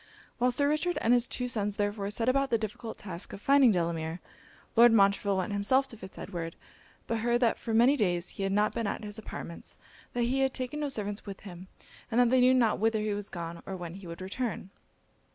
While Sir Richard and his two sons therefore set about the difficult task of finding Delamere, Lord Montreville went himself to Fitz Edward; but heard that for many days he had not been at his apartments, that he had taken no servants with him, and that they knew not whither he was gone, or when he would return.